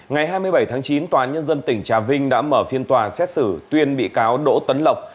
ngày hai mươi bảy tháng chín tòa nhân dân tỉnh trà vinh đã mở phiên tòa xét xử tuyên bị cáo đỗ tấn lộc